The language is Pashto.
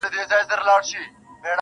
هغه مي سايلينټ سوي زړه ته_